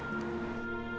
aku juga mau istirahat